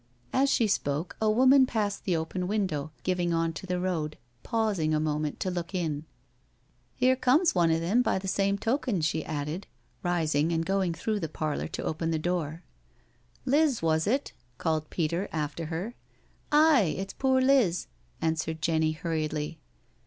As she spoke a woman passed the open window, giving on to the road, pausing a moment to look in. " Here comes one o' them by the same token," she added, rising and going through the parlour to open the door, " Liz, was it?" called Peter after her. " Aye— it's poor Liz," answered Jenny hurriedly.